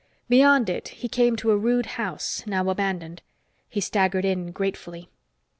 Beyond it, he came to a rude house, now abandoned. He staggered in gratefully.